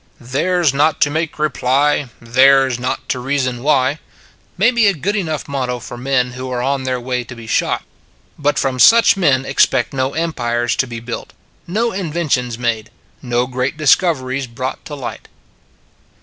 Theirs not to make reply, Theirs not to reason why, may be a good enough motto for men who are on their way to be shot. But from such men expect no empires to be builded, no inventions made, no great discoveries brought to light.